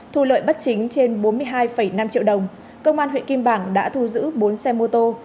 thu lợi bất chính trên bốn mươi hai năm triệu đồng công an huyện kim bảng đã thu giữ bốn xe mô tô